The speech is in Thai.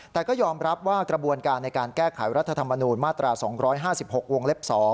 แต่ก็ยอมรับว่ากระบวนการในการแก้ไขรัฐธรรมนูญมาตรา๒๕๖วงเล็บ๒